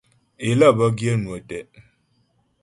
É lə́ bə́ gyə̂ mnwə tɛ́'.